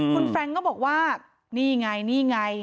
คุณแฟรงค์ก็บอกว่านี่ไงนี่ไง